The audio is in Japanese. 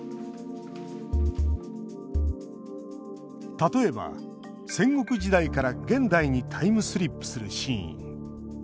例えば、戦国時代から現代にタイムスリップするシーン。